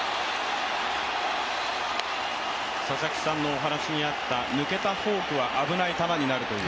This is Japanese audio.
佐々木さんのお話にあった抜けたフォークは危ない球になるという？